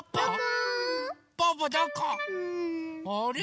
あれ？